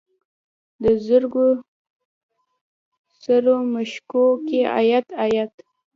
د زرکو سرو مشوکو کې ایات، ایات